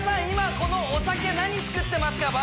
今このお酒何作ってますか？